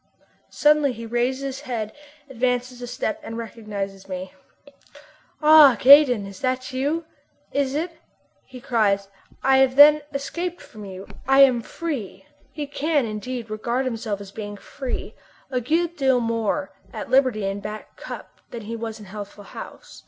Suddenly he raises his head, advances a step and recognizes me. "Ah! Gaydon, it is you, is it?" he cries, "I have then escaped from you! I am free!" He can, indeed, regard himself as being free a good deal more at liberty in Back Cup than he was in Healthful House.